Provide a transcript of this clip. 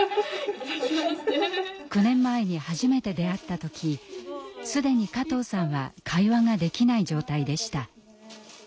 ９年前に初めて出会った時既に加藤さんは会話ができない状態でした。